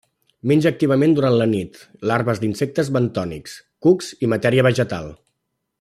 Menja activament durant la nit larves d'insectes bentònics, cucs i matèria vegetal.